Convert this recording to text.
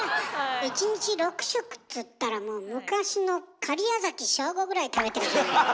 １日６食っつったらもう昔の假屋崎省吾ぐらい食べてるじゃない。